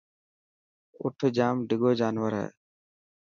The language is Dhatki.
اَٺ جام ڊڳو جانور هي.